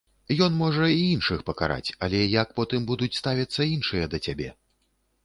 Ён можа і іншых пакараць, але як потым будуць ставіцца іншыя да цябе?